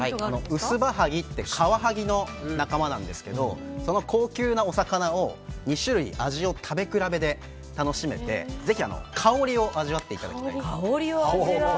ウスバハギってカワハギの仲間なんですがその高級なお魚を２種類、味を食べ比べで楽しめて、ぜひ、香りを味わっていただきたいです。